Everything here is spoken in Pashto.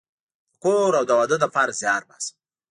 د کور او د واده لپاره زیار باسم